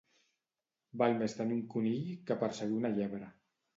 Val més tenir un conill que perseguir una llebre.